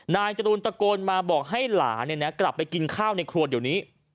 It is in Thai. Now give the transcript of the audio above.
จรูนตะโกนมาบอกให้หลานกลับไปกินข้าวในครัวเดี๋ยวนี้